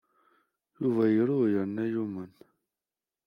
Yuba iru yerna yumen.